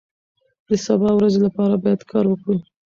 د سبا ورځې لپاره باید کار وکړو.